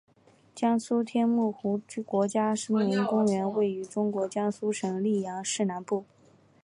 江苏天目湖国家森林公园位于中国江苏省溧阳市南部。